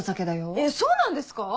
えっそうなんですか？